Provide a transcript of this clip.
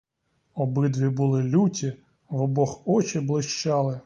Обидві були люті, в обох очі блищали.